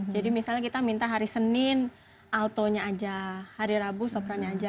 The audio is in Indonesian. jadi misalnya kita minta hari senin alto nya saja hari rabu sopranya saja